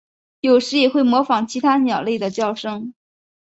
有时也会模仿其他鸟类的叫声。